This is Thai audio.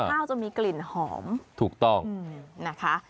ข้าวจะมีกลิ่นหอมถูกต้องอืมนะคะ